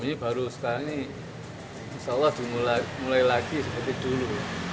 ini baru sekarang ini insya allah dimulai lagi seperti dulu